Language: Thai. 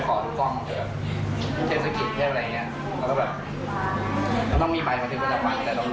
ขอโทษทำให้เป็นตรงนั้น